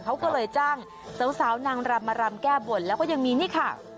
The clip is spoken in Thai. เขาก็เลยจ้างสาวนางรำมารำแก้บนแล้วก็ยังมีนี่ค่ะ